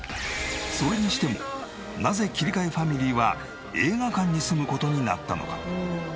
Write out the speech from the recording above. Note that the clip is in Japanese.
それにしてもなぜ切替ファミリーは映画館に住む事になったのか？